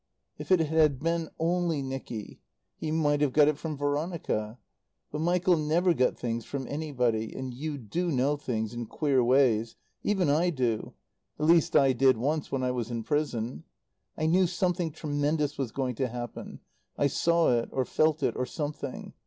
"If it had been only Nicky he might have got it from Veronica. But Michael never got things from anybody. And you do know things in queer ways. Even I do. At least I did once when I was in prison. I knew something tremendous was going to happen. I saw it, or felt it, or something.